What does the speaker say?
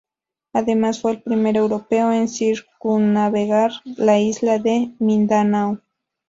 Además fue el primer europeo en circunnavegar la isla de Mindanao.